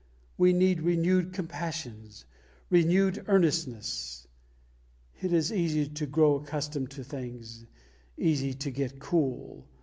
We need renewed compassions, renewed earnestness. It is easy to grow accustomed to things, easy to get cool.